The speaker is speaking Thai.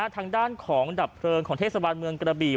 ทางด้านของดับเพลิงของเทศบาลเมืองกระบี่